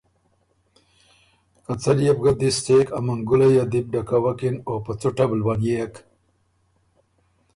که څۀ لې بُو دِس څېک ا منګُلئ یه دی بُو ډکوکِن او په څُټه بو لونيېک۔